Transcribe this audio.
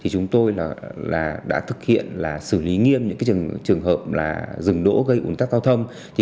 chúng tôi đã thực hiện xử lý nghiêm những trường hợp dừng đỗ gây ủn tắc giao thông